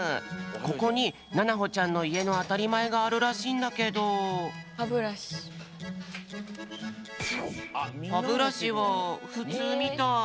ここにななほちゃんのいえのあたりまえがあるらしいんだけど。はブラシ。はブラシはふつうみたい。